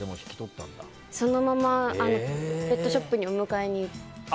そのままペットショップにお迎えに行って。